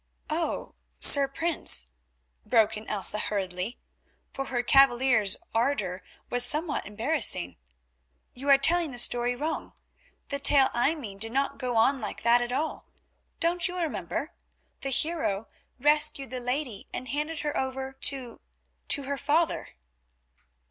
"Oh! Sir Prince," broke in Elsa hurriedly, for her cavalier's ardour was somewhat embarrassing, "you are telling the story wrong; the tale I mean did not go on like that at all. Don't you remember? The hero rescued the lady and handed her over—to—to—her father."